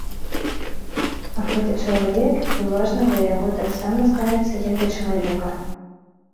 А гэта чалавек, і важна да яго таксама ставіцца як да чалавека.